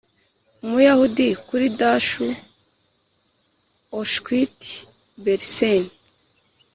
umuyahudi kuri dachau, auschwitz, belsen.